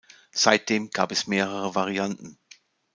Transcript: Seitdem gab es mehrere Varianten.